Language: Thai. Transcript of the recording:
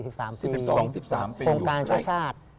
ผมการชีวิตชาติ